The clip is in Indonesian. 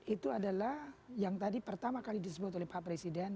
itu adalah yang tadi pertama kali disebut oleh pak presiden